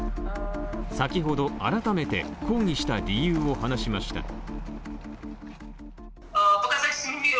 先ほど、改めて抗議した理由を話しました。